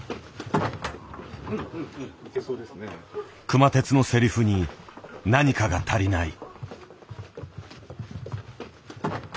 熊徹のセリフに何かが足りない。